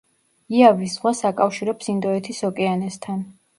იავის ზღვას აკავშირებს ინდოეთის ოკეანესთან.